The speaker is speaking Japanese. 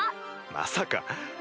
まさか。